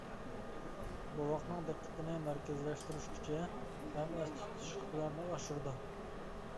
بوۋاقنىڭ دىققىتىنى مەركەزلەشتۈرۈش كۈچى ھەم ئەستە تۇتۇش ئىقتىدارىنى ئاشۇرىدۇ.